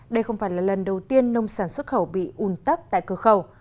đây không phải là lần đầu tiên nông sản xuất khẩu bị un tắp tại cửa khẩu